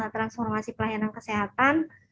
transformasi pelayanan kesehatan